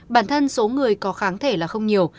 bản thân số người có kháng thể là không nhiều